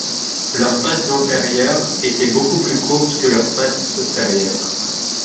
Leurs pattes antérieures étaient beaucoup plus courtes que leurs pattes postérieures.